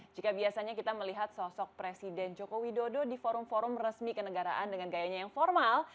jika biasanya kita melihat sosok presiden joko widodo di forum forum resmi kenegaraan dengan gayanya yang formal